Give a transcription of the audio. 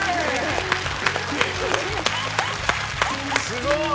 すごーい！